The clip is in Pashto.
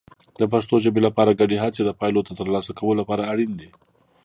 د پښتو ژبې لپاره ګډې هڅې د پایلو ترلاسه کولو لپاره اړین دي.